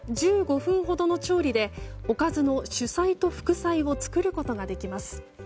１５分ほどの調理でおかずの主菜と副菜を作ることができます。